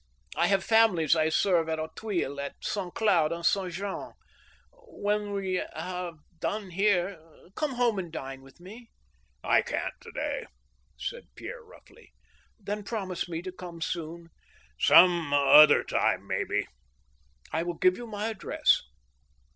I have families I sSrve at Auteuil, at Saint Cloud, and Saint Jamesi, ... When we have done here, come home and dine with me." " I can't, to day," replied Pierre, roughly. ♦*Then promise me to come soon." " Some other time, may be." " I will give you my address."